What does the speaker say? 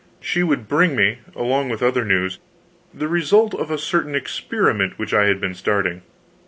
She would bring me, along with other news, the result of a certain experiment which I had been starting.